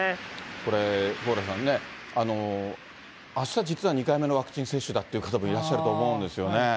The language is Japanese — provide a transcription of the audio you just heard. これ、蓬莱さんね、あした実は２回目のワクチン接種だという方もいらっしゃると思うんですよね。